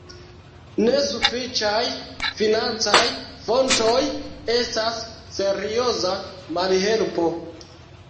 Nesufiĉaj financaj fontoj estas serioza malhelpo.